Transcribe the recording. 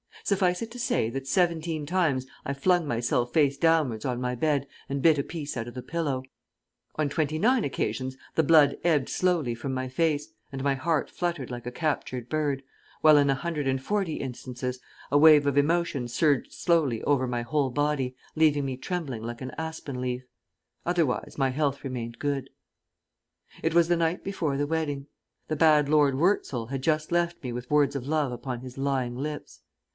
Suffice it to say that seventeen times I flung myself face downwards on my bed and bit a piece out of the pillow, on twenty nine occasions the blood ebbed slowly from my face, and my heart fluttered like a captured bird, while in a hundred and forty instances a wave of emotion surged slowly over my whole body, leaving me trembling like an aspen leaf. Otherwise my health remained good. It was the night before the wedding. The bad Lord Wurzel had just left me with words of love upon his lying lips.